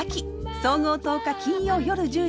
総合１０日金曜夜１０時。